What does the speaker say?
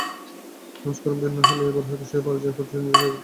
সংস্করণ ভিন্ন হলেও এবার হয়তো সেই পরাজয়ের প্রতিশোধ নিতে চাইবে তারা।